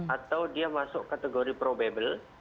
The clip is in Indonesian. atau dia masuk kategori probable